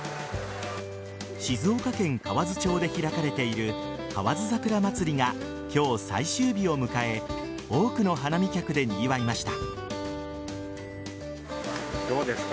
静岡県河津町で開かれている河津桜まつりが今日、最終日を迎え多くの花見客でにぎわいました。